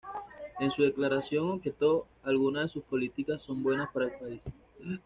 En su declaración objetó: "Algunas de sus políticas son buenas para el país.